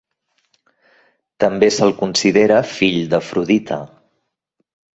També se'l considera fill d'Afrodita.